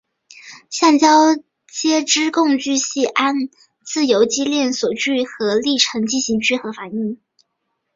橡胶接枝共聚系按自由基链锁聚合历程进行聚合反应。